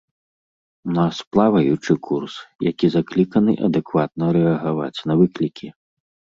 У нас плаваючы курс, які закліканы адэкватна рэагаваць на выклікі.